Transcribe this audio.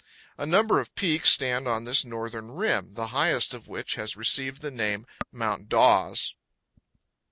A number of peaks stand on this northern rim, the highest of which has received the name Mount Dawes.